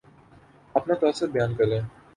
اپنا تاثر بیان کریں